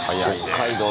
北海道